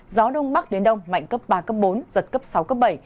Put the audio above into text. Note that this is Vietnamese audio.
gió đông bắc đến đông mạnh cấp ba cấp bốn giật cấp sáu cấp bảy